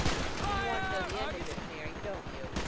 "But you want to know the end of it Mary, don't you?